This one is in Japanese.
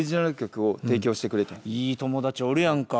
いい友達おるやんか。